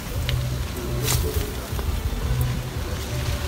Tuzzel Kaysa.